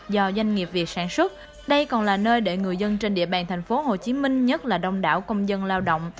do doanh nghiệp việt sản xuất đây còn là nơi để người dân trên địa bàn tp hcm nhất là đông đảo công dân lao động